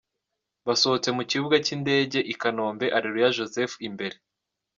Basohotse mu kibuga cy’indege i Kanombe, Areruya Joseph imbere